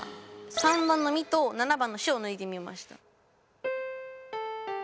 ３番のミと７番のシを抜いてみました。